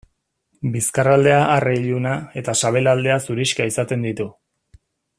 Bizkarraldea arre iluna eta sabelaldea zurixka izaten ditu.